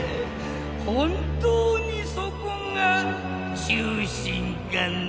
本当にそこが中心かな？